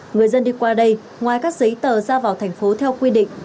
người dân đi qua đây ngoài các giấy tờ ra vào thành phố theo quy định